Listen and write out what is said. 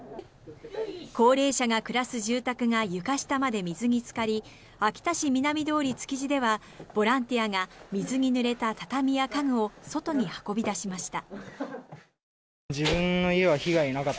高齢者が暮らす住宅が床下まで水につかり秋田市南通築地ではボランティアが水にぬれた畳や家具を外に運び出しました。